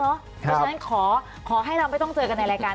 เพราะฉะนั้นขอให้เราไม่ต้องเจอกันในรายการ